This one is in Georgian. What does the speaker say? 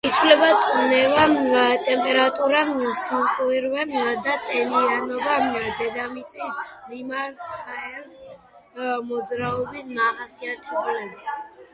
იცვლება წნევა, ტემპერატურა, სიმკვრივე და ტენიანობა, დედამიწის მიმართ ჰაერის მოძრაობის მახასიათებლები.